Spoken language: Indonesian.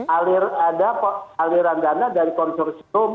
ada aliran dana dari konsorium